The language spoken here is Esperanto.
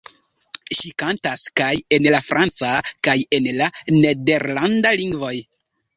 Ŝi kantas kaj en la franca kaj en la nederlanda lingvoj.